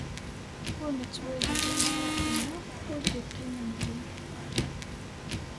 Ur nettwali limaṛat-nneɣ, ur d-iqqim nnbi.